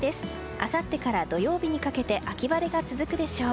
あさってから土曜日にかけて秋晴れが続くでしょう。